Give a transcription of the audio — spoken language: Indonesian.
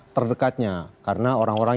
terdekatnya karena orang orang